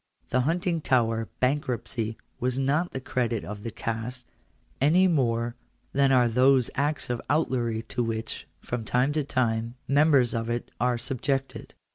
The Huntingtower bank ruptcy was not to the credit of the caste, any more than are those acts of outlawry to which, from time to time, members of it are subjected.